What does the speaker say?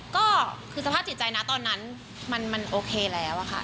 ก็คือสภาพจิตใจนะตอนนั้นมันโอเคแล้วอะค่ะ